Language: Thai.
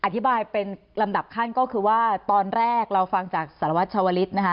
อธิบายเป็นลำดับขั้นก็คือว่าตอนแรกเราฟังจากสารวัตรชาวลิศนะคะ